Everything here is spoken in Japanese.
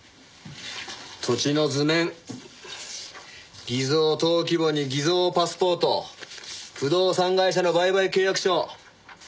土地の図面偽造登記簿に偽造パスポート不動産会社の売買契約書。